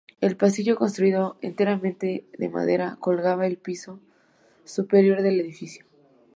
El pasillo, construido enteramente de madera, "colgaba" en el piso superior del edificio.